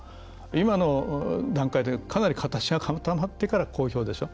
今の段階でかなり形が固まってから公表でしょ。